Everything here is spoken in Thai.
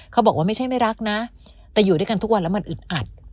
เขาบอกว่าไม่ใช่ไม่รักนะแต่อยู่ด้วยกันทุกวันแล้วมันอึดอัด